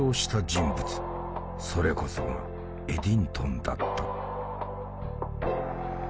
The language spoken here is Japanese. それこそがエディントンだった。